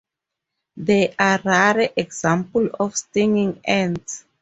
They are rare examples of stinging ants.